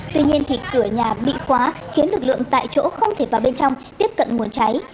tuy nhiên thì cửa nhà bị quá khiến lực lượng tại chỗ không thể vào bên trong tiếp cận nguồn cháy